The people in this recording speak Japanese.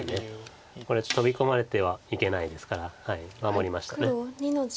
これ飛び込まれてはいけないですから守りました。